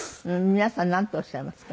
皆さんなんとおっしゃいますか？